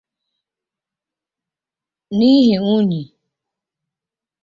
n'ihi unyi